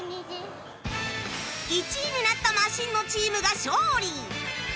１位になったマシンのチームが勝利